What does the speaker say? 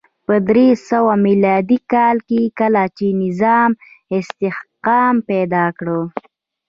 په درې سوه میلادي کال کې کله چې نظام استحکام پیدا کړ